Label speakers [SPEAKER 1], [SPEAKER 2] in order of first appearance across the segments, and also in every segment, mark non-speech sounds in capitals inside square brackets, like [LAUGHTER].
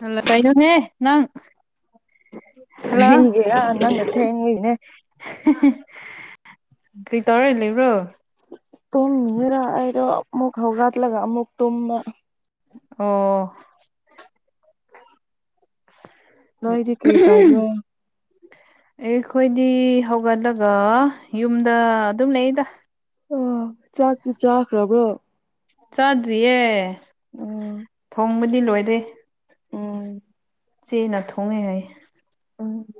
[SPEAKER 1] Hello ꯀꯩꯅꯣꯍꯦ ꯅꯪ hello
[SPEAKER 2] ꯀꯔꯤꯒꯤꯔ ꯅꯪꯅ ꯊꯦꯡꯂꯤꯅꯦ
[SPEAKER 1] ꯀꯔꯤ ꯇꯧꯔ ꯂꯩꯕ꯭ꯔꯣ
[SPEAKER 2] ꯇꯨꯝꯃꯤꯔ ꯑꯩꯗꯣ ꯑꯃꯨꯛ ꯍꯧꯒꯠꯂꯒ ꯑꯃꯨꯛ ꯇꯨꯝꯃ
[SPEAKER 1] ꯑꯣ
[SPEAKER 2] ꯅꯣꯏꯗꯤ ꯀꯔꯤ ꯇꯧꯕ꯭ꯔꯣ
[SPEAKER 1] [INAUDIBLE] ꯑꯩꯈꯣꯏꯗꯤ ꯍꯧꯒꯠꯂꯒ ꯌꯨꯝꯗ ꯑꯗꯨꯝ ꯂꯩꯗ
[SPEAKER 2] ꯑ ꯆꯥꯛꯇꯨ ꯆꯥꯈ꯭ꯔꯕ꯭ꯔꯣ
[SPEAKER 1] ꯆꯥꯗ꯭ꯔꯤꯌꯦ
[SPEAKER 2] ꯎꯝ
[SPEAKER 1] ꯊꯣꯡꯕꯗꯤ ꯂꯣꯏꯔꯦ
[SPEAKER 2] ꯑꯣ
[SPEAKER 1] ꯆꯦꯅ ꯊꯣꯡꯉꯦ ꯍꯥꯏ
[SPEAKER 2] ꯎꯝ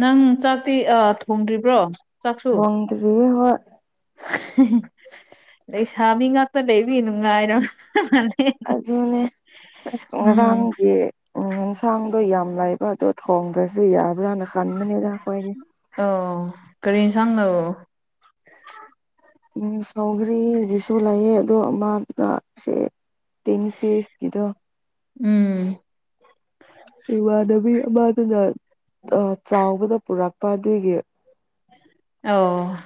[SPEAKER 1] ꯅꯪ ꯆꯥꯛꯇꯤ ꯊꯣꯡꯗ꯭ꯔꯤꯕ꯭ꯔꯣ ꯆꯥꯛꯁꯨ
[SPEAKER 2] ꯊꯣꯡꯗꯔꯤꯌꯦ ꯍꯣꯏ
[SPEAKER 1] ꯂꯩꯁꯥꯕꯤ ꯉꯥꯛꯇ ꯂꯩ ꯃꯤ ꯅꯨꯡꯉꯥꯏꯔꯣꯏ
[SPEAKER 2] ꯑꯗꯨꯅꯦ ꯑꯁ
[SPEAKER 1] ꯎꯝ
[SPEAKER 2] ꯉꯔꯥꯡꯒꯤ ꯎꯝ ꯑꯦꯟꯁꯥꯡꯗꯣ ꯌꯥꯝ ꯂꯩꯕ ꯑꯗꯣ ꯊꯣꯡꯗ꯭ꯔꯁꯨ ꯌꯥꯕ꯭ꯔꯅ ꯈꯟꯕꯅꯤꯗ ꯑꯩꯈꯣꯏꯒꯤ
[SPEAKER 1] ꯑꯣ ꯀꯔꯤ ꯏꯁꯥꯡꯅꯣ
[SPEAKER 2] ꯎꯝ ꯁꯧꯒ꯭ꯔꯤꯒꯤꯁꯨ ꯂꯩꯌꯦ ꯑꯗꯣ ꯑꯃꯗ ꯁꯦ ꯇꯦꯟ ꯐꯤꯁ ꯀꯤꯗꯣ
[SPEAKER 1] ꯎꯝ
[SPEAKER 2] ꯏꯃꯥꯟꯅꯕꯤ ꯑꯃꯗꯨꯅ ꯆꯥꯎꯕꯗ ꯄꯨꯔꯛꯄꯥ ꯑꯗꯨꯒꯤ
[SPEAKER 1] ꯑꯣ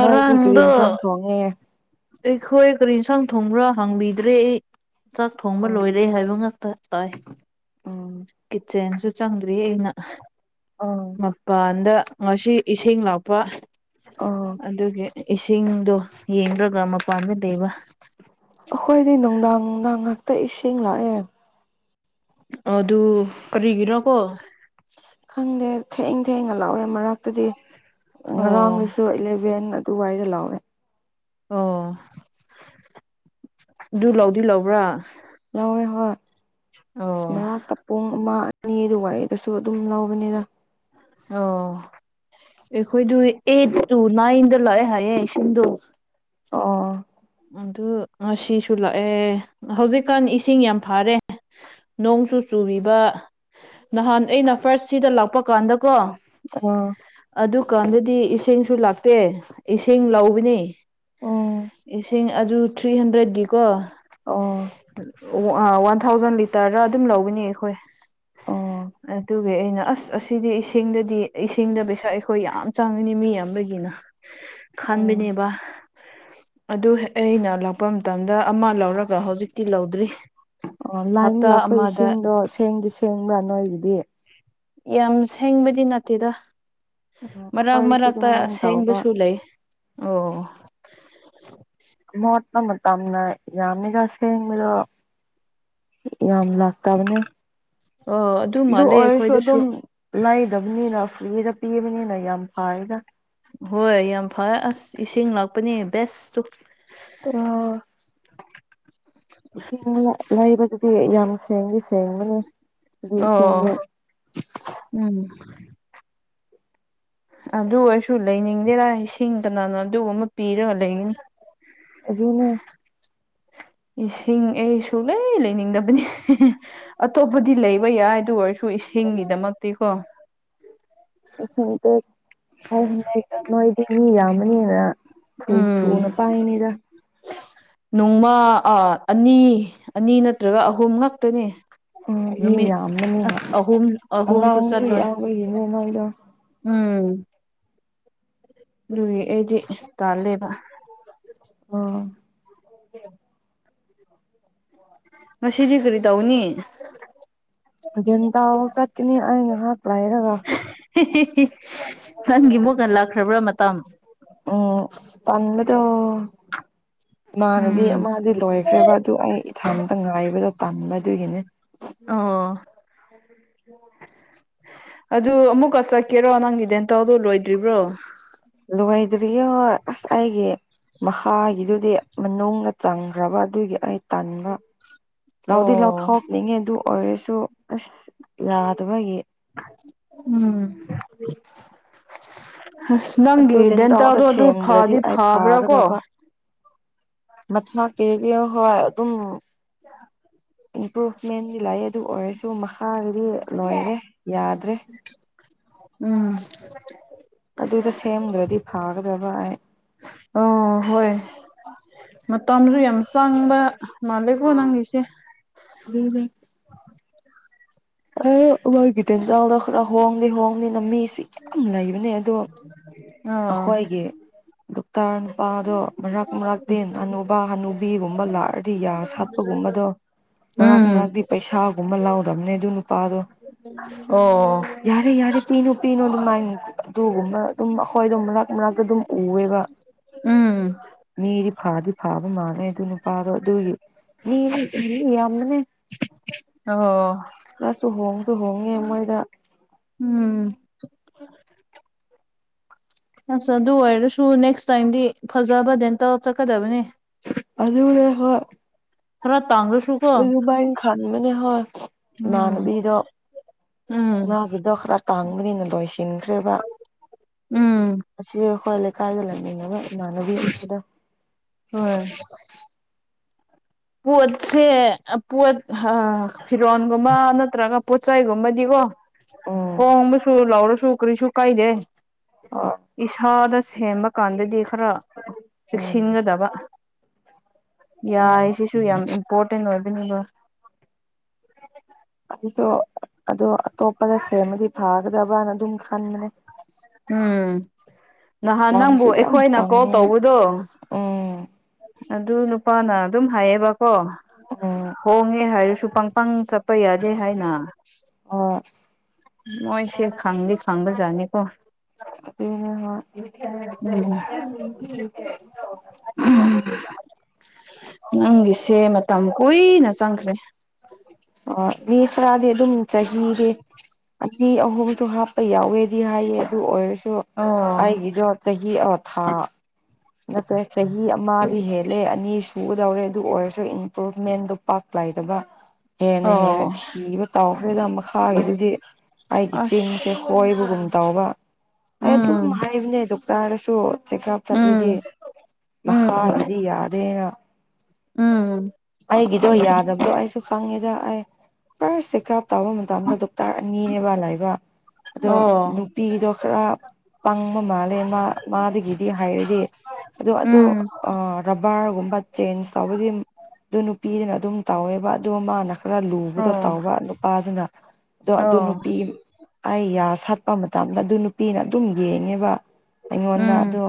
[SPEAKER 2] ꯅꯣꯏꯗꯤ ꯀꯔꯤ ꯌꯦꯟꯁꯥꯡ ꯊꯣꯡꯉꯦ
[SPEAKER 1] ꯑꯩꯈꯣꯏ ꯀꯔꯤ ꯁꯥꯡ ꯊꯣꯡꯕ꯭ꯔꯥ ꯍꯥꯡꯕꯤꯗ꯭ꯔꯦ ꯑꯩ ꯆꯥꯛ ꯊꯣꯡꯕ
[SPEAKER 2] ꯑꯣ
[SPEAKER 1] ꯂꯣꯏꯔꯦ ꯍꯥꯏꯕ ꯉꯥꯛꯇ ꯇꯥꯏ
[SPEAKER 2] ꯎꯝ
[SPEAKER 1] ꯀꯤꯠꯆꯦꯟꯁꯨ ꯆꯪꯗ꯭ꯔꯤ ꯑꯩꯅ
[SPEAKER 2] ꯑ
[SPEAKER 1] ꯃꯄꯥꯟꯗ ꯉꯁꯤ ꯏꯁꯤꯡ ꯂꯥꯛꯄ
[SPEAKER 2] ꯑ
[SPEAKER 1] ꯑꯗꯨꯒꯤ ꯏꯁꯤꯡꯗꯣ ꯌꯦꯡꯔꯒ ꯃꯄꯥꯟꯗ ꯂꯩꯕ
[SPEAKER 2] ꯑꯩꯈꯣꯏꯗꯤ ꯅꯨꯡꯗꯥꯡ ꯅꯨꯡꯗꯥꯡ ꯉꯥꯛꯇ ꯏꯁꯤꯡ ꯂꯥꯛꯑꯦ
[SPEAKER 1] ꯑꯗꯨ ꯀꯔꯤꯒꯤꯔꯥꯀꯣ
[SPEAKER 2] ꯈꯪꯗꯦ ꯊꯦꯡ ꯊꯦꯡꯉꯥ ꯂꯥꯛꯋꯦ ꯃꯔꯛꯇꯗꯤ
[SPEAKER 1] ꯑꯣ
[SPEAKER 2] ꯉꯔꯥꯡꯒꯤꯁꯨ ꯏꯂꯚꯦꯟ ꯇꯨꯋꯥꯥꯏꯗ ꯂꯥꯎꯋꯦ
[SPEAKER 1] ꯑꯣ ꯑꯗꯨ ꯂꯧꯗꯤ ꯂꯧꯕ꯭ꯔꯥ
[SPEAKER 2] ꯌꯥꯎꯋꯦ ꯍꯣꯏ
[SPEAKER 1] ꯑꯣ
[SPEAKER 2] ꯑꯁ ꯃꯔꯥꯛ ꯄꯨꯡ ꯑꯃ ꯑꯅꯤ ꯑꯗꯨꯋꯥꯏꯗꯁꯨ ꯑꯗꯨꯝ ꯂꯧꯕꯅꯤꯗ
[SPEAKER 1] ꯑꯣ ꯑꯩꯈꯣꯏꯗꯨ ꯑꯩꯠ ꯇꯨ ꯅꯥꯏꯟꯗ ꯂꯥꯛꯑꯦ ꯍꯥꯏꯌꯦ ꯏꯁꯤꯡꯗꯣ
[SPEAKER 2] ꯑꯣ
[SPEAKER 1] ꯑꯗꯨ ꯉꯁꯤꯁꯨ ꯂꯥꯛꯑꯦ ꯍꯧꯖꯤꯛꯀꯥꯟ ꯏꯁꯤꯡ ꯌꯥꯝ ꯐꯔꯦ ꯅꯣꯡꯁꯨ ꯆꯨꯔꯤꯕ ꯅꯍꯥꯟ ꯑꯩꯅ ꯐꯥꯔꯁ ꯁꯤꯗ ꯂꯥꯛꯄ ꯀꯥꯟꯗꯀꯣ
[SPEAKER 2] [UNINTELLIGIBLE]
[SPEAKER 1] ꯑꯗꯨꯀꯥꯟꯗꯗꯤ ꯏꯁꯤꯡꯁꯨ ꯂꯥꯛꯇꯦ ꯏꯁꯤꯡ ꯂꯧꯕꯅꯤ
[SPEAKER 2] ꯎꯝ
[SPEAKER 1] ꯏꯁꯤꯡ ꯑꯗꯨ ꯊ꯭ꯔꯤ ꯍꯟꯗ꯭ꯔꯦꯠꯀꯤꯀꯣ
[SPEAKER 2] ꯑꯣ
[SPEAKER 1] ꯋꯥꯟ ꯊꯥꯎꯖꯟ ꯂꯤꯇꯔꯗ ꯑꯗꯨꯝ ꯂꯧꯕꯥꯅꯤ ꯑꯩꯈꯣꯏ
[SPEAKER 2] ꯑꯣ
[SPEAKER 1] ꯑꯗꯨ ꯑꯗꯨꯒꯤ ꯑꯩꯅ ꯑꯁ ꯑꯁꯤꯗꯤ ꯏꯁꯤꯡꯗꯗꯤ ꯏꯁꯤꯡꯗ ꯄꯩꯁꯥ ꯑꯩꯈꯣꯏ ꯌꯥꯝ ꯆꯪꯉꯅꯤ ꯃꯤ ꯌꯥꯝꯕꯥꯒꯤꯅ
[SPEAKER 2] ꯎꯝ
[SPEAKER 1] ꯈꯥꯟꯕꯅꯦꯕ ꯑꯗꯨ ꯑꯩꯅ ꯂꯥꯛꯄ ꯃꯇꯝꯗ ꯑꯃ ꯂꯧꯔꯒ ꯍꯧꯖꯤꯛꯇꯤ ꯂꯧꯗ꯭ꯔꯤ
[SPEAKER 2] ꯑꯣ ꯂꯥꯏꯟ
[SPEAKER 1] ꯍꯞꯇꯥ
[SPEAKER 2] ꯂꯥꯛꯄ
[SPEAKER 1] ꯑꯃꯗ
[SPEAKER 2] ꯏꯁꯤꯡꯗꯣ ꯁꯦꯡꯗꯤ ꯁꯦꯡꯕ꯭ꯔꯥ ꯅꯣꯏꯒꯤꯗꯤ
[SPEAKER 1] ꯌꯥꯝ ꯁꯦꯡꯕꯗꯤ ꯅꯠꯇꯦꯗ
[SPEAKER 2] ꯎꯝ
[SPEAKER 1] ꯃꯔꯛ
[SPEAKER 2] ꯑꯩꯈꯣꯏꯁꯨ
[SPEAKER 1] ꯃꯔꯛꯇ
[SPEAKER 2] ꯑꯗꯨꯃꯥꯏꯅ ꯇꯧꯕ
[SPEAKER 1] ꯑꯁꯦꯡꯕꯁꯨ ꯂꯩ ꯑꯣ
[SPEAKER 2] ꯃꯣ ꯃ ꯇꯝꯅ ꯌꯥꯝꯃꯤꯒꯁ ꯌꯦꯃꯤꯂꯣ ꯌꯥꯝ ꯂꯥꯛꯇꯥꯔꯅꯦ
[SPEAKER 1] ꯑꯣ
[SPEAKER 2] ꯑꯗꯨ
[SPEAKER 1] ꯃꯥꯜꯂꯦ
[SPEAKER 2] ꯑꯣꯏꯔꯁꯨ
[SPEAKER 1] ꯑꯩꯈꯣꯏꯗꯁꯨ
[SPEAKER 2] ꯑꯗꯨꯝ ꯂꯩꯗꯕꯅꯤꯅ ꯐ꯭ꯔꯤꯗ ꯄꯤꯕꯅꯤꯅ ꯌꯥꯝ ꯄꯥꯏꯗ
[SPEAKER 1] ꯍꯣꯏ ꯌꯥꯝ ꯐ ꯑꯁ ꯏꯁꯤꯡ ꯂꯥꯛꯄꯅꯦ ꯕꯦꯁꯇꯨ
[SPEAKER 2] ꯑꯣ ꯏꯁꯤꯡ ꯂꯩꯕꯗꯨꯗꯤ ꯌꯥꯝ ꯁꯦꯡꯗꯤ ꯁꯦꯡꯕꯅꯤ ꯑꯗꯨ
[SPEAKER 1] ꯑꯣ
[SPEAKER 2] ꯁꯕ
[SPEAKER 1] ꯎꯝ ꯑꯗꯨ ꯑꯣꯏꯁꯨ ꯂꯩꯅꯤꯡꯗꯦꯔꯥ ꯏꯁꯤꯡ ꯀꯅꯥꯅ ꯑꯗꯨꯒꯨꯝꯕ ꯄꯤꯔꯒ ꯂꯩꯅꯤꯅꯤ
[SPEAKER 2] ꯑꯗꯨꯅꯦ
[SPEAKER 1] ꯏꯁꯤꯡ ꯑꯩ ꯁꯨꯡꯂꯩ ꯂꯩꯅꯤꯡꯗꯕꯅꯤ ꯑꯇꯣꯞꯄꯗꯤ ꯂꯩꯕ ꯌꯥꯏ ꯑꯗꯨ ꯑꯣꯏꯔꯁꯨ ꯁꯨ ꯏꯁꯤꯡꯒꯤꯗꯃꯛꯇꯤ ꯀꯣ
[SPEAKER 2] [UNINTELLIGIBLE] ꯅꯣꯏꯗꯤ ꯃꯤ ꯌꯥꯝꯕꯅꯤꯅ ꯊꯨ
[SPEAKER 1] ꯎꯝ
[SPEAKER 2] ꯊꯨꯅ ꯄꯥꯏꯅꯤꯗ
[SPEAKER 1] ꯅꯣꯡꯃ ꯑꯅꯤ ꯑꯅꯤ ꯅꯠꯇ꯭ꯔꯒ ꯑꯍꯨꯝ ꯉꯥꯛꯇꯅꯦ
[SPEAKER 2] ꯎꯝ ꯃꯤ
[SPEAKER 1] ꯅꯨꯃꯤꯠ
[SPEAKER 2] ꯌꯥꯝꯕꯅꯤꯅ
[SPEAKER 1] ꯑꯁ ꯑꯍꯨꯝ ꯑꯍꯨꯝꯁꯨ
[SPEAKER 2] ꯑꯉꯥꯡꯁꯨ
[SPEAKER 1] ꯆꯠꯂꯣꯏ
[SPEAKER 2] ꯌꯥꯎꯕꯒꯤꯅꯦ ꯅꯣꯏꯗꯣ
[SPEAKER 1] ꯎꯝ ꯑꯗꯨꯒꯤ ꯑꯩꯗꯤ ꯇꯥꯜꯂꯦꯕ
[SPEAKER 2] ꯑꯝ
[SPEAKER 1] ꯉꯁꯤꯗꯤ ꯀꯔꯤ ꯇꯧꯅꯤ
[SPEAKER 2] [UNINTELLIGIBLE] ꯆꯠꯀꯅꯤ ꯑꯩ ꯉꯥꯏꯍꯥꯛ ꯍꯥꯏꯔꯒ
[SPEAKER 1] [UNINTELLIGIBLE] ꯅꯪꯒꯤ ꯃꯨꯛꯀꯥ ꯂꯛꯈ꯭ꯔꯕ꯭ꯔꯥ ꯃꯇꯝ
[SPEAKER 2] ꯎꯝ ꯇꯝꯕꯗꯣ ꯃꯥꯅꯕꯤ
[SPEAKER 1] ꯎꯝ
[SPEAKER 2] ꯃꯥꯗꯤ ꯂꯣ ꯈ꯭ꯔꯦꯕ ꯑꯗꯨ ꯑꯩ ꯏꯊꯥꯟꯇ ꯉꯥꯏꯕꯗ ꯇꯕ ꯑꯗꯨꯒꯤꯅꯤ
[SPEAKER 1] ꯑꯣ ꯑꯗꯨ ꯑꯃꯨꯛꯀ ꯆꯠꯀꯦꯔꯣ ꯅꯪꯒꯤ ꯗꯦꯟꯇꯜꯗꯨꯣ ꯂꯣꯏꯗ꯭ꯔꯤꯕ꯭ꯔꯣ
[SPEAKER 2] ꯂꯣꯏꯗ꯭ꯔꯤ ꯍꯣ ꯑꯁ ꯑꯩꯒꯤ ꯃꯈꯥꯒꯤꯗꯨꯗꯤ ꯅ ꯆꯥꯡꯈ꯭ꯔꯕ ꯑꯗꯨꯒꯤ ꯑꯩ ꯇꯥꯟꯕ ꯂꯥꯎꯗꯤ
[SPEAKER 1] ꯑꯣ
[SPEAKER 2] ꯂꯥꯎꯊꯣꯛ ꯅꯤꯡꯉꯦ ꯑꯗꯨ ꯑꯣꯏꯔꯁꯨ ꯑꯁ ꯌꯥꯗꯕꯒꯤ
[SPEAKER 1] ꯎꯝ ꯍꯁ
[SPEAKER 2] ꯑꯗꯨ
[SPEAKER 1] ꯅꯪꯒꯤ
[SPEAKER 2] ꯗꯦꯟꯇꯜꯗꯣ
[SPEAKER 1] ꯗꯦꯟꯇꯦꯟꯗꯣ ꯑꯗꯨ
[SPEAKER 2] ꯁꯦꯝꯗ꯭ꯔꯗꯤ
[SPEAKER 1] ꯐꯗꯤ
[SPEAKER 2] ꯑꯩ
[SPEAKER 1] ꯐꯕ꯭ꯔꯥ ꯀꯣ
[SPEAKER 2] ꯃꯊ ꯀꯦꯕꯤꯌꯣ ꯍꯣꯏ ꯑꯗꯨꯝ ꯏꯝꯄ꯭ꯔꯨꯚꯃꯦꯟꯗꯤ ꯂꯥꯛꯑꯦ ꯑꯗꯨ ꯑꯣꯏꯔꯁꯨ ꯃꯈꯥꯒꯤꯗꯤ ꯂꯣꯏꯔꯦ ꯌꯥꯗ꯭ꯔꯦ
[SPEAKER 1] ꯎꯝ
[SPEAKER 2] ꯑꯗꯨꯗ ꯁꯦꯝꯈ꯭ꯔꯗꯤ ꯐꯒꯗꯕ ꯍꯥꯏ
[SPEAKER 1] ꯑꯣ ꯍꯣꯏ ꯃꯇꯝꯁꯨ ꯌꯥꯝ ꯇꯥꯡꯕ ꯃꯂꯦꯀꯣ ꯅꯪꯒꯤꯁꯦ
[SPEAKER 2] ꯑꯗꯨꯗ ꯑ ꯃꯒꯤ ꯇꯦꯟꯖꯥꯎꯗꯣ ꯈꯔ ꯍꯣꯡꯗꯤ ꯍꯣꯡꯅꯤꯅ ꯃꯤꯁꯤ ꯌꯥꯝ ꯂꯩꯕꯅꯦ ꯑꯗꯣ
[SPEAKER 1] ꯑꯣ
[SPEAKER 2] ꯑꯩꯈꯣꯏꯒꯤ ꯗꯣꯛꯇꯔ ꯅꯨꯄꯥꯗꯣ ꯃꯔꯛ ꯃꯔꯛꯇꯤ ꯑꯅꯨꯕꯥ ꯍꯅꯨꯕꯤꯒꯨꯝꯕ ꯂꯥꯛꯑꯗꯤ ꯌꯥ ꯁꯥꯠꯄꯒꯨꯝꯕꯗꯣ ꯃꯅꯥꯛ
[SPEAKER 1] ꯎꯝ
[SPEAKER 2] ꯃꯅꯥꯛꯇꯤ ꯄꯩꯁꯥꯒꯨꯝꯕ ꯂꯥꯎꯗꯕꯅꯦ ꯑꯗꯨ ꯅꯨꯄꯥꯗꯣ
[SPEAKER 1] ꯑꯣ
[SPEAKER 2] ꯌꯥꯔꯦ ꯌꯥꯔꯦ ꯄꯤꯅꯨ ꯄꯤꯅꯨ ꯑꯗꯨꯃꯥꯏꯅ ꯑꯗꯨꯒꯨꯝꯕ ꯑꯗꯨꯝ ꯑꯩꯈꯣꯏꯗ ꯑꯃꯂꯛ ꯃꯅꯥꯛꯇ ꯑꯗꯨꯝ ꯎꯑꯦꯕ
[SPEAKER 1] ꯎꯝ
[SPEAKER 2] ꯃꯤꯗꯤ ꯐꯥꯗꯤ ꯐꯥꯕ ꯃꯥꯥꯟꯂꯩ ꯑꯗꯨ ꯅꯨꯄꯥꯗꯣ ꯑꯗꯨꯒꯤ ꯃꯤꯗꯤ ꯑꯗꯨꯝ ꯌꯥꯝꯃꯅꯦ
[SPEAKER 1] ꯑꯣ
[SPEAKER 2] ꯈꯔꯁꯨ ꯍꯣꯡꯁꯨ ꯍꯣꯡꯉꯦ ꯃꯣꯏꯗ
[SPEAKER 1] ꯎꯝ ꯑꯁ ꯑꯗꯨ ꯑꯣꯏꯔꯁꯨ ꯅꯦꯛꯁ ꯇꯥꯏꯝꯗꯤ ꯐꯖꯕꯗ ꯗꯦꯜꯇꯦꯜ ꯆꯠꯀꯗꯕꯅꯤ
[SPEAKER 2] ꯑꯗꯨꯅꯦ ꯍꯣꯏ
[SPEAKER 1] ꯈꯔ ꯇꯥꯡꯂꯁꯨ ꯀꯣ
[SPEAKER 2] ꯑꯗꯨꯃꯥꯏꯟ ꯈꯟꯕꯅꯦ ꯍꯣꯏ
[SPEAKER 1] ꯎꯝ
[SPEAKER 2] ꯏꯃꯥꯟꯅꯕꯤꯗꯣ
[SPEAKER 1] ꯎꯝ
[SPEAKER 2] ꯃꯥꯒꯤꯗꯣ ꯈꯔ ꯇꯥꯡꯕꯅꯤꯅ ꯂꯣꯏꯁꯤꯟꯈ꯭ꯔꯦꯕ
[SPEAKER 1] ꯎꯝ
[SPEAKER 2] ꯑꯁꯤ ꯑꯩꯈꯣꯏ ꯂꯩꯀꯥꯏꯗ ꯂꯩꯃꯤꯟꯅꯕ ꯏꯃꯥꯅꯕꯤꯗ
[SPEAKER 1] ꯍꯣꯏ ꯄꯣꯠꯁꯦ ꯄꯣꯠ ꯐꯤꯔꯣꯟꯜꯒꯨꯝꯕ ꯅꯠꯇ꯭ꯔꯒ ꯄꯣꯠꯆ ꯆꯩꯒꯨꯝꯕꯗꯤꯀꯣ
[SPEAKER 2] ꯎꯝ
[SPEAKER 1] ꯍ ꯍꯕꯁꯨ ꯂꯥꯎꯔꯣꯁꯨꯨ ꯀꯔꯤꯁꯨꯨ ꯀꯥꯏꯗꯦ
[SPEAKER 2] ꯑꯣ
[SPEAKER 1] ꯏꯁꯥꯗ ꯁꯦꯝꯕ ꯀꯥꯟꯗꯗꯤ ꯈꯔ ꯆꯦꯛꯁꯤꯟꯒꯗꯕ ꯌꯥ
[SPEAKER 2] ꯎꯝ
[SPEAKER 1] ꯁꯤꯁꯨ ꯌꯥꯝ ꯏꯝꯄꯣꯔꯇꯦꯟ ꯑꯣꯏꯕꯅꯤꯕꯣ
[SPEAKER 2] ꯑꯁꯤꯁꯨ ꯑꯗꯨ ꯑꯇꯣꯞꯄꯗ ꯁꯦꯝꯃꯗꯤ ꯐꯒꯗꯕꯅ ꯑꯗꯨꯝ ꯈꯟꯕꯅꯦ
[SPEAKER 1] ꯎꯝ ꯅꯍꯥꯟ ꯅꯪꯕꯨ
[SPEAKER 2] ꯂꯝꯁꯨ ꯌꯥꯝ
[SPEAKER 1] ꯑꯩꯈꯣꯏꯅ ꯀꯣꯜ
[SPEAKER 2] ꯆꯪꯉꯦ
[SPEAKER 1] ꯇꯧꯕꯗꯣ
[SPEAKER 2] ꯎꯝ
[SPEAKER 1] ꯑꯗꯨ ꯅꯨꯄꯥꯅ ꯑꯗꯨꯝ ꯍꯥꯏꯌꯦꯕꯀꯣ
[SPEAKER 2] ꯎꯝ
[SPEAKER 1] ꯍꯣꯡꯉꯦ ꯍꯥꯏꯔꯁꯨ ꯄꯪ ꯄꯪ ꯆꯠꯄ ꯌꯥꯗꯦ ꯍꯥꯏꯅ
[SPEAKER 2] ꯑꯥ
[SPEAKER 1] ꯃꯣꯏꯁꯦ ꯈꯪꯗꯤ ꯈꯪꯕꯖꯥꯠꯅꯤꯀꯣ
[SPEAKER 2] ꯑ
[SPEAKER 1] ꯎꯝ
[SPEAKER 2] ꯍ
[SPEAKER 1] ꯅꯪꯒꯤꯁꯦ ꯃꯇꯝ ꯀꯨꯏꯅ ꯆꯪꯈ꯭ꯔꯦ
[SPEAKER 2] ꯑꯣ ꯃꯤ ꯈꯔꯥꯗꯤ ꯑꯗꯨꯝ ꯆꯍꯤꯒꯤ ꯑꯅꯤ ꯑꯍꯨꯝꯁꯨ ꯍꯥꯞꯄ ꯌꯥꯎꯋꯦꯗꯤ ꯍꯥꯏꯌꯦ ꯑꯗꯨ ꯑꯣꯏꯔꯁꯨ
[SPEAKER 1] ꯑꯣ
[SPEAKER 2] ꯑꯩꯒꯤꯗꯣ ꯆꯍꯤ ꯑꯃ ꯊꯥ ꯅꯠꯇ꯭ꯔꯦ ꯆꯍꯤ ꯑꯃ ꯍꯦꯜꯂꯦ ꯑꯅꯤ ꯁꯨꯒꯗꯧꯔꯦ ꯑꯗꯨ ꯑꯣꯏꯔꯁꯨ ꯏꯝꯄ꯭ꯔꯨꯚꯃꯦꯟꯗꯨ ꯄꯥꯛ ꯂꯩꯥꯏꯗꯕ ꯍꯦꯟꯅ ꯍꯦꯟꯅ
[SPEAKER 1] ꯑꯣ
[SPEAKER 2] ꯊꯤꯕ ꯇꯥꯎꯈ꯭ꯔꯦꯗ ꯃꯈꯥꯒꯤꯗꯨꯗꯤ ꯑꯩꯒꯤ
[SPEAKER 1] ꯑꯁ
[SPEAKER 2] ꯆꯤꯟꯁꯦ ꯍꯣꯏꯕꯒꯨꯝ ꯇꯕ ꯑꯩ ꯑꯗꯨꯝ
[SPEAKER 1] ꯎꯝ
[SPEAKER 2] ꯍꯥꯏꯕꯅꯦꯗ ꯆꯥꯔꯁꯨ ꯆꯦꯛꯑꯞ
[SPEAKER 1] ꯎꯝ
[SPEAKER 2] ꯆꯠꯂꯗꯤ
[SPEAKER 1] ꯎꯝ
[SPEAKER 2] ꯃꯈꯥꯒꯤꯗꯤ ꯌꯥꯗꯦꯅ
[SPEAKER 1] ꯎꯝ
[SPEAKER 2] ꯑꯩꯒꯤꯗꯣ ꯌꯥꯗꯕꯗꯣ ꯑꯩꯁꯨ ꯈꯪꯉꯦꯗ ꯑꯦꯔ ꯇꯧꯕ ꯃꯇꯝꯗ ꯗꯣꯛꯇꯔ ꯑꯅꯤꯅꯦꯕ ꯂꯥꯏꯕ ꯑꯗꯣ
[SPEAKER 1] ꯑꯣ
[SPEAKER 2] ꯅꯨꯄꯤꯗꯣ ꯈꯔ ꯄꯪꯕ ꯃꯥꯜꯂꯦ ꯃꯥ ꯃꯥꯗꯒꯤꯗꯤ ꯍꯥꯏꯔꯗꯤ ꯑꯣ ꯑꯗꯨ
[SPEAKER 1] ꯎꯝ
[SPEAKER 2] ꯔꯕꯔꯒꯨꯝꯕ ꯆꯦꯟꯁ ꯇꯧꯕꯗꯤ ꯑꯗꯨ ꯅꯨꯄꯤꯗꯨꯅ ꯑꯗꯨꯝ ꯇꯧꯋꯦꯕ ꯑꯗꯣ ꯃꯥꯅ ꯈꯔ ꯂꯨꯕꯗꯣ
[SPEAKER 1] ꯑꯣ
[SPEAKER 2] ꯇꯧꯕ ꯅꯨꯄꯥꯗꯨꯅ ꯑꯗꯣ
[SPEAKER 1] ꯑꯣ
[SPEAKER 2] ꯅꯨꯄꯤ ꯑꯩ ꯌꯥ ꯁꯥꯠꯄ ꯃꯇꯝꯗ ꯑꯗꯨ ꯅꯨꯄꯤꯅ ꯑꯗꯨꯝ ꯌꯦꯡꯉꯦꯕ ꯑꯩꯉꯣꯟꯗ
[SPEAKER 1] ꯎꯝ
[SPEAKER 2] ꯑꯗꯨ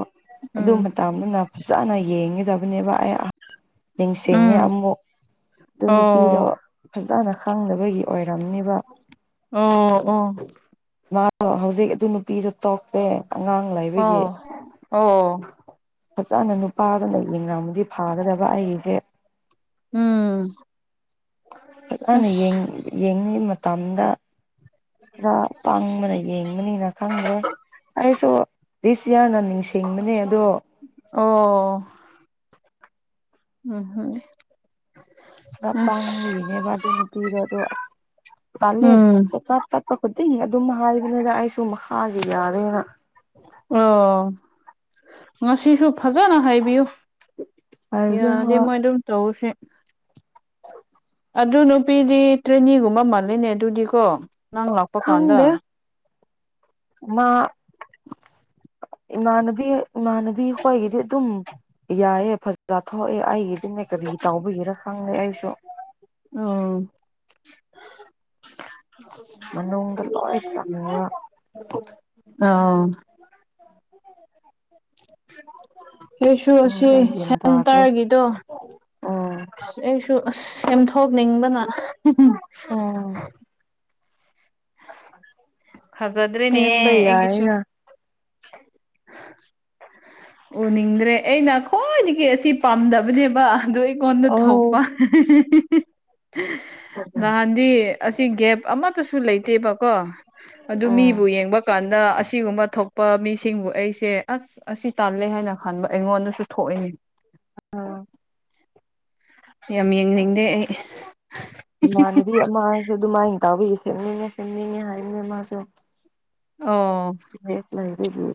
[SPEAKER 2] ꯑꯗꯨ
[SPEAKER 1] ꯎꯝ
[SPEAKER 2] ꯃꯇꯝꯗꯨꯅ ꯐꯖꯅ ꯌꯦꯡꯒꯗꯕꯅꯦꯕ ꯑꯩ ꯅꯤꯡꯁꯤꯡꯉꯦ
[SPEAKER 1] ꯎꯝ
[SPEAKER 2] ꯑꯃꯨꯛ ꯑꯗꯨ ꯅꯨꯄꯤꯗꯣ
[SPEAKER 1] ꯑꯣ
[SPEAKER 2] ꯐꯖꯅ ꯈꯪꯗꯕꯒꯤ ꯑꯣꯏꯔꯝꯅꯤꯕ
[SPEAKER 1] ꯑꯣ ꯑꯣ
[SPEAKER 2] ꯑ ꯍꯧꯖꯤꯛ ꯑꯗꯨ ꯅꯨꯄꯤꯗꯨꯣ ꯇꯣꯛꯈ꯭ꯔꯦ ꯑꯉꯥꯡ ꯂꯩꯕꯒꯤ
[SPEAKER 1] ꯑꯣ ꯑꯣ
[SPEAKER 2] ꯐꯖꯅ ꯅꯨꯄꯥꯗꯨꯅ ꯌꯦꯡꯉꯝꯗꯤ ꯐꯥꯒꯗꯕ ꯑꯩꯁꯦ
[SPEAKER 1] ꯎꯝ
[SPEAKER 2] ꯐꯖꯅ
[SPEAKER 1] ꯑꯁ
[SPEAKER 2] ꯌꯦꯡꯂꯤꯉꯕ ꯃꯇꯝꯗ ꯈꯔ ꯄꯥꯡꯕꯅ ꯌꯦꯡꯕꯅꯤꯅ ꯈꯪꯗ꯭ꯔꯦ ꯑꯩꯁꯨ ꯗꯤꯁꯌꯥꯔꯅ ꯅꯤꯡꯁꯤꯡꯕꯅꯦ ꯑꯗꯣ
[SPEAKER 1] ꯑꯣ ꯎꯝ ꯍꯝ
[SPEAKER 2] ꯄꯨꯔ ꯄꯥꯡꯕꯅꯦꯕ ꯑꯗꯨ ꯅꯨꯄꯤꯗꯣ ꯑꯁ ꯇꯜꯂꯦ
[SPEAKER 1] ꯎꯝ
[SPEAKER 2] ꯆꯦꯀꯛ꯫ ꯆꯠꯄ ꯈꯨꯗꯤꯡ ꯑꯗꯨꯝ ꯍꯥꯏꯕꯅꯤꯅ ꯑꯩꯁꯨ ꯃꯈꯥꯒꯤ ꯌꯥꯔꯦꯅ
[SPEAKER 1] ꯑꯣ ꯉꯁꯤꯁꯨ ꯐꯖꯅ ꯍꯥꯏꯕꯤꯌꯨ
[SPEAKER 2] ꯍꯥꯏꯒꯦ
[SPEAKER 1] ꯌꯥꯔꯗꯤ
[SPEAKER 2] ꯍꯣꯏ
[SPEAKER 1] ꯑꯗꯨꯃꯥꯏꯗꯨꯝ ꯇꯧꯁꯦ ꯑꯗꯨ ꯅꯨꯄꯤꯗꯤ ꯇ꯭ꯔꯦꯅꯤꯒꯨꯝꯕ ꯃꯥꯜꯂꯤꯅꯦ ꯑꯗꯨꯗꯤꯀꯣ ꯅꯪ ꯂꯥꯛꯄ ꯀꯥꯟꯗ
[SPEAKER 2] ꯈꯪꯗꯦ ꯃꯥ ꯏꯃꯥꯟꯅꯕꯤ ꯏꯃꯥꯟꯅꯕꯤ ꯑꯩꯈꯣꯏꯒꯤꯗꯤ ꯑꯗꯨꯝ ꯌꯥꯏꯌꯦ ꯐꯖꯥ ꯊꯣꯛꯑꯦ ꯑꯩꯒꯤꯗꯤ ꯑꯩꯅ ꯀꯔꯤ ꯇꯧꯕꯤꯒꯦꯔ ꯈꯪꯗꯦ ꯑꯩꯁꯨ
[SPEAKER 1] ꯑꯣ
[SPEAKER 2] ꯃꯅꯨꯡꯗ ꯂꯣꯏ ꯆꯪꯕ
[SPEAKER 1] ꯑꯧ ꯑꯩꯁꯨ ꯑꯁꯤ
[SPEAKER 2] ꯈꯪꯗ꯭ꯔꯦ ꯒ꯭ꯌꯥꯟ
[SPEAKER 1] ꯁꯦꯟ
[SPEAKER 2] ꯇꯥꯗ꯭ꯔꯦ
[SPEAKER 1] ꯇꯔꯒꯤꯗꯣ
[SPEAKER 2] ꯎꯝ
[SPEAKER 1] ꯑꯁ ꯑꯩꯁꯨ ꯑꯁ ꯁꯦꯝꯊꯣꯛꯅꯤꯡꯕꯅ
[SPEAKER 2] ꯎꯝ
[SPEAKER 1] ꯐꯖꯗ꯭ꯔꯦꯅꯦ
[SPEAKER 2] ꯁꯦꯝꯕ
[SPEAKER 1] ꯑꯩꯒꯤꯁꯨ
[SPEAKER 2] ꯌꯥꯏꯅ
[SPEAKER 1] ꯎꯅꯤꯡꯗ꯭ꯔꯦ ꯑꯩꯅ ꯈ꯭ꯋꯥꯏꯗꯒꯤ ꯑꯁꯤ ꯄꯥꯝꯗꯕꯅꯦꯕ ꯑꯗꯨ ꯀꯣꯟꯅ ꯊꯣꯛꯄ
[SPEAKER 2] ꯑꯧ
[SPEAKER 1] ꯅꯍꯥꯟꯗꯤ ꯑꯁꯤ ꯒꯦꯞ ꯑꯃꯠꯇꯁꯨ ꯂꯩꯇꯦꯕꯀꯣ ꯑꯗꯨ
[SPEAKER 2] ꯎꯝ
[SPEAKER 1] ꯃꯤꯕꯨ ꯌꯦꯡꯕ ꯀꯥꯟꯗ ꯑꯁꯤꯒꯨꯝꯕ ꯊꯣꯛꯄ ꯃꯤꯁꯤꯡꯕꯨ ꯑꯩꯁꯦ ꯑꯁ ꯑꯁꯤ ꯇꯜꯂꯦ ꯍꯥꯏꯅ ꯈꯟꯕ ꯑꯩꯉꯣꯟꯗꯁꯨ ꯊꯣꯛ ꯑꯦ ꯌꯥꯝ ꯌꯦꯡꯅꯤꯡꯗꯦ ꯑꯩ
[SPEAKER 2] ꯏꯃꯥꯟꯅꯕꯤ ꯑꯃꯁꯁꯨ ꯑꯗꯨꯃꯥꯏꯅ ꯇꯥꯎꯕꯤꯌꯦ ꯁꯦꯝꯅꯤꯡꯉꯦ ꯁꯦꯝꯅꯤꯡꯉꯦ ꯍꯥꯏꯅꯦ ꯃꯥꯁꯨ
[SPEAKER 1] ꯑꯣ
[SPEAKER 2] ꯕꯦꯒ ꯂꯩꯕꯒꯤ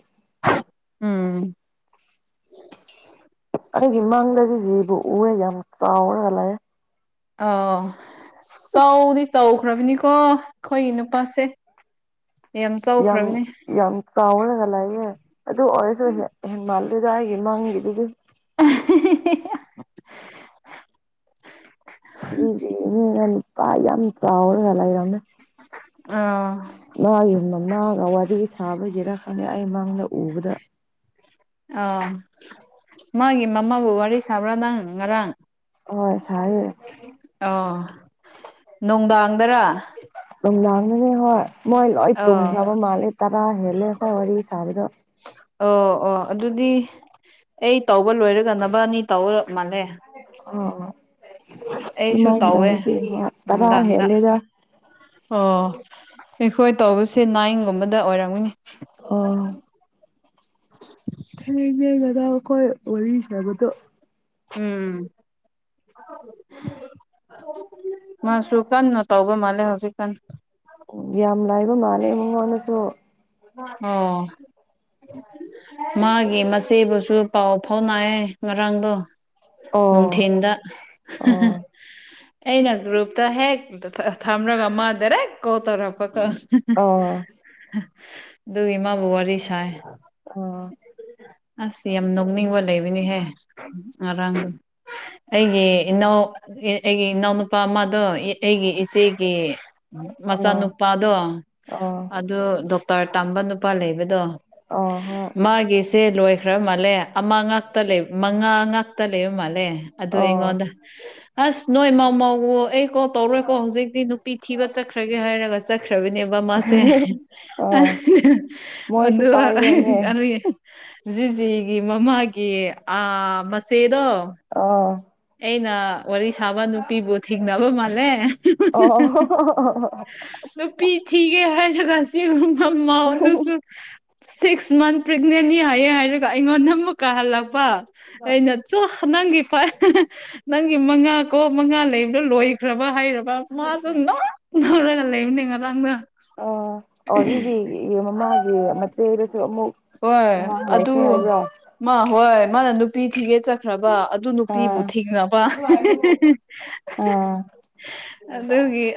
[SPEAKER 1] ꯎꯝ
[SPEAKER 2] ꯑꯩꯒꯤ ꯃꯥꯡꯗꯗꯤ ꯖꯤꯕꯨ ꯎꯑꯦ ꯌꯥꯝ ꯆꯥꯎꯔꯒ ꯂꯥꯛꯑꯦ
[SPEAKER 1] ꯑꯧ ꯆꯥꯎꯗꯤ ꯆꯥꯎꯈ꯭ꯔꯕꯅꯤꯀꯣ ꯑꯩꯈꯣꯏꯒꯤ ꯅꯨꯄꯥꯁꯦ ꯌꯥꯝ ꯆꯥꯎꯈ꯭ꯔꯕꯅꯦ
[SPEAKER 2] ꯌꯥꯝ ꯆꯥꯎꯔꯒ ꯂꯩꯑꯦ ꯑꯗꯨ ꯑꯣꯏꯔꯁꯨ ꯏꯍꯦꯟ ꯃꯥꯜꯂꯣꯏꯗ ꯑꯩꯒꯤ ꯃꯥꯡꯒꯤꯗꯨꯗꯤ
[SPEAKER 1] ꯑꯍꯦ ꯍꯦ ꯍꯦ
[SPEAKER 2] ꯑ [UNINTELLIGIBLE] ꯏꯁꯤ ꯏꯉꯅ ꯅꯨꯄꯥ ꯌꯥꯝ ꯆꯥꯎꯔꯒ ꯂꯩꯔꯝꯃꯦ
[SPEAKER 1] ꯑ
[SPEAKER 2] ꯃꯥꯒꯤ ꯃꯅꯥꯎꯅ ꯋꯥꯔꯤ ꯁꯥꯕꯉꯤꯔ ꯈꯪꯗꯦ ꯑꯩ ꯃꯥꯡꯗ ꯎꯕꯗ
[SPEAKER 1] ꯑꯥ ꯃꯥꯒꯤ ꯃꯃꯥꯕꯨ ꯋꯥꯔꯤ ꯁꯥꯕ꯭ꯔꯥ ꯅꯪ ꯉꯔꯥꯡ
[SPEAKER 2] ꯍꯣꯏ ꯁꯥꯏꯌꯦ
[SPEAKER 1] ꯑꯣ ꯅꯨꯡꯗꯥꯡꯗꯔꯥ
[SPEAKER 2] ꯅꯨꯡꯗꯥꯡꯗꯅꯦ ꯍꫭꯏ ꯃꯣꯏ ꯂꫭꯏ
[SPEAKER 1] ꯑꯣ
[SPEAKER 2] ꯇꯨꯝꯒꯕ ꯃꯥꯜꯂꯦ ꯇꯔꯥ ꯍꯦꯜꯂꯦꯕ ꯀ ꯋꯥꯔꯤ ꯁꯥꯥꯕꯗꫭ
[SPEAKER 1] ꯑꯣ ꯑꯣ ꯑꯗꯨꯗꯤ ꯑꯩ ꯇꯧꯕ ꯂꯣꯏꯔꯒ ꯅꯕꯥꯟꯅꯤ ꯇꯧ ꯃꯥꯜꯂꯦ
[SPEAKER 2] ꯑꫭ ꯑꫭ
[SPEAKER 1] ꯑꯩꯁꯨ
[SPEAKER 2] ꯑꯗꯨꯃꯥꯏ
[SPEAKER 1] ꯇꯧꯋꯦ
[SPEAKER 2] ꯇꯧꯕꯁꯤꯗ ꯇꯔꯥ
[SPEAKER 1] ꯅꯨꯡꯗꯥꯡꯗ
[SPEAKER 2] ꯍꯦꯂꯦꯗ
[SPEAKER 1] ꯑꯣ ꯑꯩꯈꯣꯏ ꯇꯧꯕꯁꯦ ꯅꯥꯏꯟꯒꯨꯝꯕꯗ ꯑꯣꯏꯔꯝꯒꯅꯤ
[SPEAKER 2] ꯑꯣ ꯍꯌꯦꯡꯗꯤ ꯑꯩ ꯗꯗꯥ ꯑꯩꯈꯣꯏ ꯋꯥꯔꯤ ꯁꯥꯕꯗꯣ
[SPEAKER 1] ꯎꯝ ꯃꯥꯁꯨ ꯀꯟꯅ ꯇꯧꯕ ꯃꯥꯂꯦ ꯍꯧꯖꯤꯛ ꯀꯥꯟ
[SPEAKER 2] ꯌꯥꯝ ꯂꯥꯏꯕ ꯃꯥꯜꯂꯦ ꯃꯉꯣꯟꯗꯁꯨ
[SPEAKER 1] ꯑꫭ ꯃꯥꯒꯤ ꯃꯆꯦꯗꯨꯁꯨ ꯄꯥꯎ ꯐꯥꯎꯅꯩꯑꯦ ꯉꯔꯥꯡꯗꯣ
[SPEAKER 2] ꯑꯣ
[SPEAKER 1] ꯅꯨꯡꯊꯤꯟꯗ
[SPEAKER 2] ꯑꯣ
[SPEAKER 1] ꯑꯩꯅ ꯒ꯭ꯔꯨꯞꯇ ꯍꯦꯛ ꯊꯝꯔꯒ ꯃꯥ ꯗꯥꯏꯔꯦꯛ ꯀꯣꯜ ꯇꯧꯔꯛꯄꯀꯣ
[SPEAKER 2] ꯑꯣꯥ
[SPEAKER 1] ꯑꯗꯨꯗꯨꯒꯤ ꯃꯥꯕꯨꯋꯥꯔꯤ ꯁꯥꯏ
[SPEAKER 2] ꯑꯣ
[SPEAKER 1] ꯑꯁ ꯌꯥꯝ ꯅꯣꯛꯅꯤꯡꯕ ꯂꯩꯕꯅꯤꯍꯦ ꯉꯔꯥꯡꯗꯣ ꯑꯩꯒꯤ ꯏꯅꯥꯎ ꯑꯩꯒꯤ ꯏꯅꯥꯎꯅꯨꯄꯥ ꯑꯃꯗꯣ ꯑꯩꯒꯤ ꯏꯆꯦꯒꯤ
[SPEAKER 2] ꯑꯣ
[SPEAKER 1] ꯃꯆꯥꯅꯨꯄꯥꯗꯣ
[SPEAKER 2] ꯑꯣ
[SPEAKER 1] ꯑꯗꯨ ꯗꫭꯛ ꯇꯔ ꯇꯝꯕ ꯅꯨꯄꯥ ꯂꯩꯕꯗꯣ
[SPEAKER 2] ꯑꯣ ꯍꯣꯏ
[SPEAKER 1] ꯃꯥꯒꯤꯁꯦ ꯂꯣꯏꯈ꯭ꯔ ꯃꯥꯜꯂꯦ ꯑꯃ ꯉꯥꯛꯇ ꯂꯩ ꯃꯉꯥ ꯉꯥꯛꯇ ꯂꯩꯕ ꯃꯥꯜꯂꯦ ꯑꯗꯨ
[SPEAKER 2] ꯑꯣ
[SPEAKER 1] ꯑꯩꯉꯣꯟꯗ ꯑꯁ ꯅꯣꯏ ꯃꯧ ꯃꯥꯥꯎ ꯑꯩ ꯀꯣ ꯇꯧꯔꯣꯏꯀꯣ ꯍꯧꯖꯤꯛꯇꯤ ꯅꯨꯄꯤ ꯊꯤꯕ ꯆꯠꯈ꯭ꯔꯒꯦ ꯍꯥꯏꯔꯒ ꯆꯠꯈ꯭ꯔꯕꯅꯦꯕ ꯃꯥꯁꯦ
[SPEAKER 2] ꯑꯣ ꯃꯣꯏꯁꯨ
[SPEAKER 1] ꯑꯗꯨꯒ
[SPEAKER 2] ꯄꯥꯏꯕ꯭ꯔꯥꯅꯦ
[SPEAKER 1] ꯖꯤꯖꯤꯒꯤ ꯃꯃꯥꯒꯤ ꯑ ꯃꯆꯦꯗꯣ
[SPEAKER 2] ꯑꯣ
[SPEAKER 1] ꯑꯩꯅ ꯋꯥꯔꯤ ꯁꯥꯕ ꯅꯨꯄꯤꯕꯨ ꯊꯦꯡꯅꯕ ꯃꯥꯜꯂꯦ
[SPEAKER 2] ꯑꯣ
[SPEAKER 1] ꯅꯨꯄꯤ ꯊꯤꯒꯦ ꯍꯥꯏꯔꯒꯥ ꯁꯤꯒꯨꯝꯕꯥ ꯃꯧ ꯗꯨꯁꯨ ꯁꯤꯛꯁ ꯃꯟꯁ ꯄ꯭ꯔꯦꯛꯅꯦꯟꯅꯤ ꯍꯥꯏꯌꯦ ꯍꯥꯏꯔꯒ ꯑꯩꯉꯣꯟꯗ ꯑꯃꯨꯛ ꯀꯥ ꯍꯜꯂꯛꯄ ꯑꯩꯅ ꯆꫭ ꯅꯪꯒꯤꯐꯥꯏ ꯅꯪꯒꯤ ꯃꯪꯉꯥ ꯀꯣ ꯃꯪꯉꯥ ꯂꯩꯕꯗꯣ ꯂꯣꯏꯈ꯭ꯔꯕ ꯍꯥꯏꯔꯕ ꯃꯝꯃꯥꯗꫭ ꯅꫭꯛ ꯇꯧꯔꯒ ꯂꯩꯕꯅꯦ ꯉꯔꯥꯡꯗꫭ
[SPEAKER 2] ꯏ ꯃꯃꯥꯡꯒꯤ ꯃꯆꯦꯗꯨꯁꯨ ꯑꯃꯨꯛ
[SPEAKER 1] ꯍꯣꯏ
[SPEAKER 2] ꯑꯉꯥꯡ
[SPEAKER 1] ꯑꯗꯨ
[SPEAKER 2] ꯂꯩꯈ꯭ꯔꯦ ꯍꯥꯏꯕ꯭ꯔꯣ
[SPEAKER 1] ꯃꯥ ꯍꯣꯏ ꯃꯥꯅ ꯅꯨꯄꯤ ꯊꯤꯒꯦ ꯆꯠ ꯈ꯭ꯔꯕ ꯑꯗꯨ ꯅꯨꯄꯤꯕꯨ
[SPEAKER 2] ꯑꯥ
[SPEAKER 1] ꯊꯤꯈꯔꯕ
[SPEAKER 2] ꯇꯗ [UNINTELLIGIBLE]